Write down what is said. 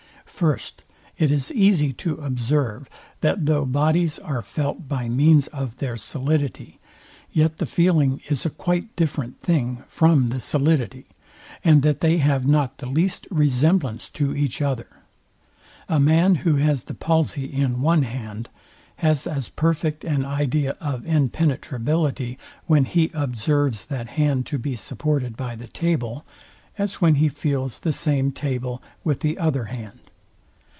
First, It is easy to observe, that though bodies are felt by means of their solidity, yet the feeling is a quite different thing from the solidity; and that they have not the least resemblance to each other. A man, who has the palsey in one hand, has as perfect an idea of impenetrability, when he observes that hand to be supported by the table, as when he feels the same table with the other hand.